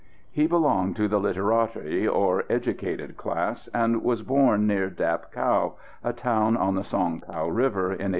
He belonged to the literati, or educated class, and was born near Dap Cau, a town on the Song Cau river, in 1836.